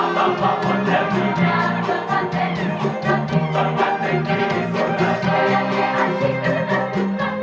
kan ku bersembahkan bagimu indonesia